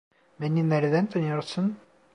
Beni nereden tanıyorsun?